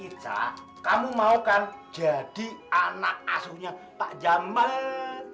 ica kamu mau kan jadi anak asuhnya pak jaman